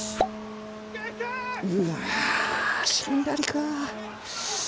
うわしんがりか。